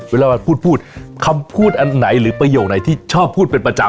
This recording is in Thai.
เวลาพูดพูดคำพูดอันไหนหรือประโยคไหนที่ชอบพูดเป็นประจำ